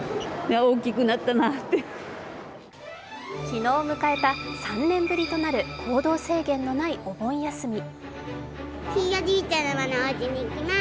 昨日迎えた３年ぶりとなる行動制限のないお盆休み。